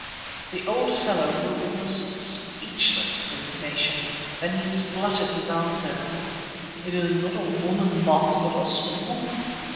The old fellow grew almost speechless with indignation, then he spluttered his answer: "It was not a woman, Baas, but a spook.